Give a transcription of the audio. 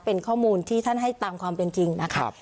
เป็นข้อมูลที่ท่านให้ตามความเป็นจริงนะครับ